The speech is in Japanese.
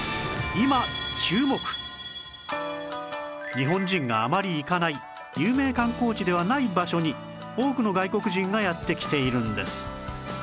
日本人があまり行かない有名観光地ではない場所に多くの外国人がやって来ているんです